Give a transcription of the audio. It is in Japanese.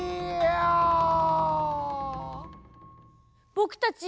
ぼくたち